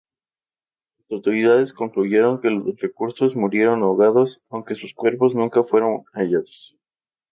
Las autoridades concluyeron que los reclusos murieron ahogados, aunque sus cuerpos nunca fueron hallados.